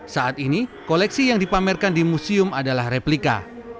saat ini koleksi yang dipamerkan di museum adalah replika